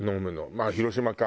まあ広島か。